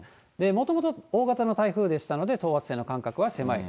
もともと大型の台風でしたので、等圧線の間隔は狭い。